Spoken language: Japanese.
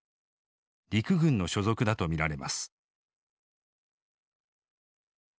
陸軍の所属だと見られます。